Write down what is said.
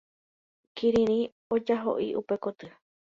Kirirĩ ojahoʼi upe koty.